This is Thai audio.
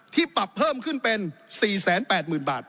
ที่ปรับเพิ่มขึ้นเป็นสี่แสนแปดหมื่นบาท